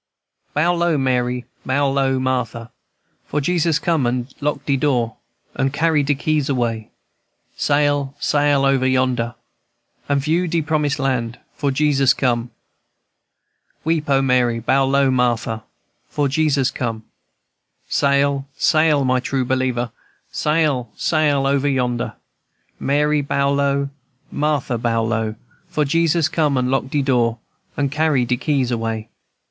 "Bow low, Mary, bow low, Martha, For Jesus come and lock de door, And carry de keys away. Sail, sail, over yonder, And view de promised land. For Jesus come, &c. Weep, O Mary, bow low, Martha, For Jesus come, &c. Sail, sail, my true believer; Sail, sail, over yonder; Mary, bow low, Martha, bow low, For Jesus come and lock de door And carry de keys away."